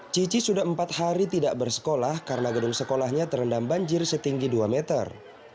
cici sudah empat hari tidak bersekolah karena gedung sekolahnya terendam banjir setinggi dua meter